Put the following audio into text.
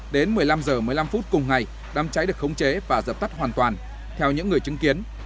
đến một mươi năm h một mươi năm phút cùng ngày đám cháy được khống chế và dập tắt hoàn toàn theo những người chứng kiến